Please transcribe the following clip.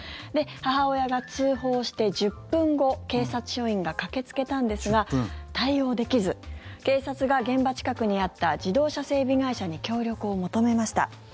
母親が通報して１０分後警察署員が駆けつけたんですが対応できず警察が現場近くにあった自動車整備会社に協力を求めました。